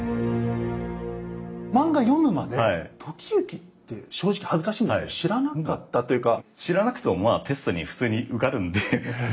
漫画を読むまで時行って正直恥ずかしいんですけど知らなかったというか。